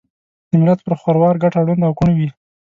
دملت پر خروار ګټه ړوند او کوڼ وي